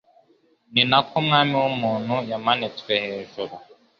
ni nako Umwana w’Umuntu yamanitswe hejuru,